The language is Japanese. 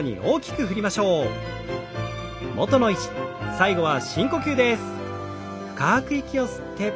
最後は深呼吸です。